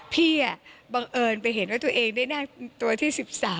บังเอิญไปเห็นว่าตัวเองได้นั่งตัวที่๑๓